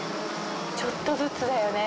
ちょっとずつだよね。